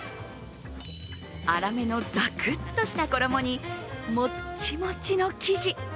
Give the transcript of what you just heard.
粗めのザクッとした衣にもっちもちの生地。